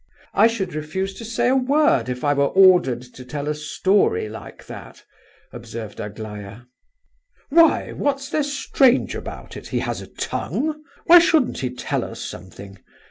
"I should refuse to say a word if I were ordered to tell a story like that!" observed Aglaya. "Why? what's there strange about it? He has a tongue. Why shouldn't he tell us something?